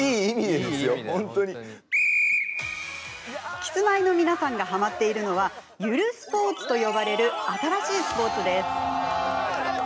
キスマイの皆さんがはまっているのはゆるスポーツと呼ばれる新しいスポーツです。